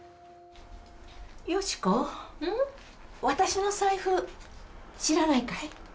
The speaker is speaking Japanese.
私の財布知らないかい？